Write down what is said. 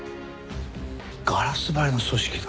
ガラス張りの組織だ。